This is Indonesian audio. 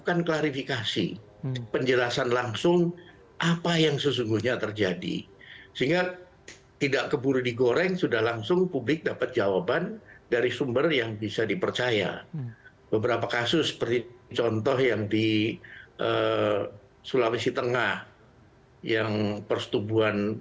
masyarakat tentunya akan mengapresiasi dan akan semakin percaya pada polri ketika masyarakat menyiaksikan perilaku